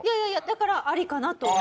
だからありかなと。